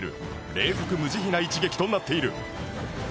冷酷無慈悲な一撃となっている